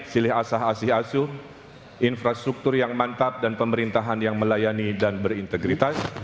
silih asah asih asuh infrastruktur yang mantap dan pemerintahan yang melayani dan berintegritas